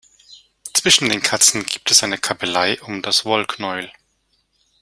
Zwischen den Katzen gibt es eine Kabbelei um das Wollknäuel.